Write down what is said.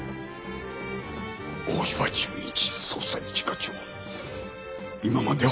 大岩純一捜査一課長今まで